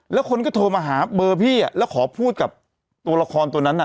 แล้วคนก็โทรมาหาเบอร์พี่แล้วขอพูดกับตัวละครตัวนั้น